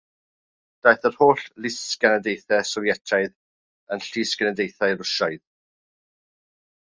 Daeth yr holl lysgenadaethau Sofietaidd yn llysgenadaethau Rwsiaidd.